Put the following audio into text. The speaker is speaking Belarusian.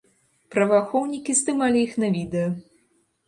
Праваахоўнікі здымалі іх на відэа.